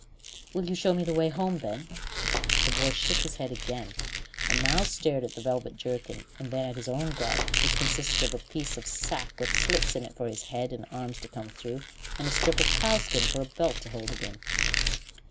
"Will you show me the way home, then?" The boy shook his head again, and now stared at the velvet jerkin, then at his own garb, which consisted of a piece of sack with slits in it for his head and arms to come through, and a strip of cow skin for a belt to hold it in.